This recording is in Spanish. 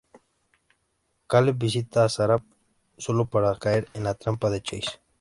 Caleb visita a Sarah solo para caer en la trampa de Chase.